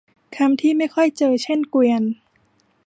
คำที่ไม่ค่อยเจอเช่นเกวียน